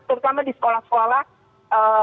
terutama di sekolah sekolah